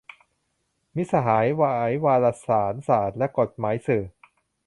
มิตรสหายสายวารสารศาสตร์และกฎหมายสื่อ